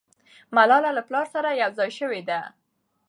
ملالۍ له پلاره سره یو ځای سوې ده.